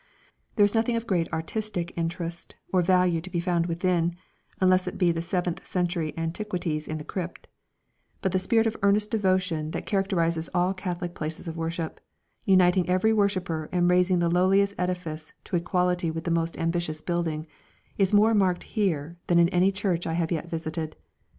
There is nothing of great artistic interest or value to be found within (unless it be the seventh century antiquities in the crypt), but the spirit of earnest devotion that characterises all Catholic places of worship, uniting every worshipper and raising the lowliest edifice to equality with the most ambitious building, is more marked here than in any church I have yet visited.